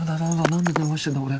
何で電話してんだ俺。